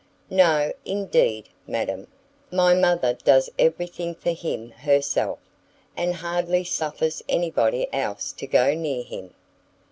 "No, indeed, madam; my mother does everything for him herself, and hardly suffers anybody else to go near him."